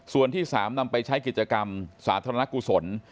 ส่วนที่๓นำไปใช้กิจกรรมสาธารณกุศล